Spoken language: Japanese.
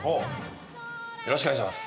よろしくお願いします。